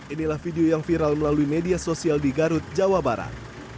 inilah video yang viral melalui media sosial di garut jawa barat